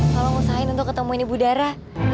tolong usahain untuk ketemuin ibu dara